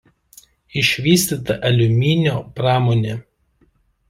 Išvystyta aliuminio pramonė.